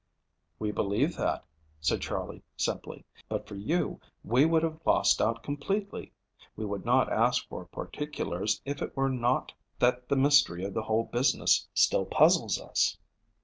"We believe that," said Charley simply. "But for you we would have lost out completely. We would not ask for particulars if it were not that the mystery of the whole business still puzzles us."